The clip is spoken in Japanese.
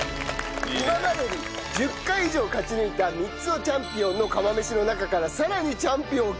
今までに１０回以上勝ち抜いた３つのチャンピオンの釜飯の中からさらにチャンピオンを決める